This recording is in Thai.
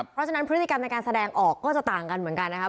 เพราะฉะนั้นพฤติกรรมในการแสดงออกก็จะต่างกันเหมือนกันนะครับ